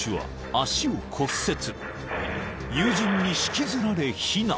［友人に引きずられ避難］